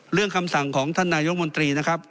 คำสั่งของท่านนายกมนตรีนะครับ